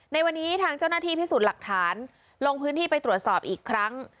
ในวันนี้ทางเจ้าหน้าที่พิสูจน์หลักฐานลงพื้นที่ไปตรวจสอบอีกครั้ง